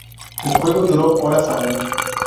El fuego duró horas aún.